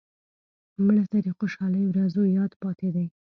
مړه ته د خوشحالۍ ورځو یاد پاتې دی